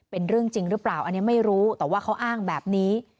เป็นเรื่องจริงหรือเปล่าอันนี้ไม่รู้แต่ว่าเขาอ้างแบบนี้